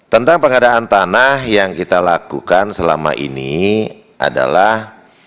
tentang pengadaan tanah yang kita lakukan selama ini adalah